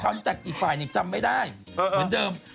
จากอีกฝ่ายหนึ่งจำไม่ได้เหมือนเดิม